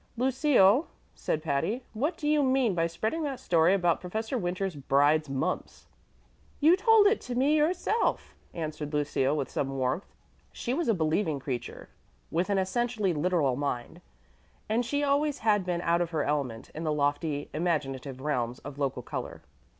"Lucille," said Patty, "what do you mean by spreading that story about Professor Winters's bride's mumps?" "You told it to me yourself," answered Lucille, with some warmth. She was a believing creature with an essentially literal mind, and she had always been out of her element in the lofty imaginative realms of local color.